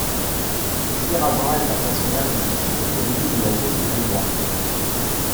Fierabras est un personnage de fiction hérité de la geste du Roi.